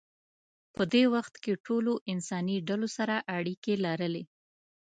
په دې وخت کې ټولو انساني ډلو سره اړیکې لرلې.